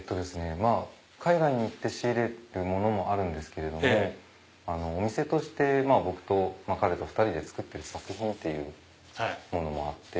海外に行って仕入れるものもあるんですけれどもお店として僕と彼と２人で作ってる作品もあって。